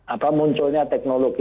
apa munculnya teknologi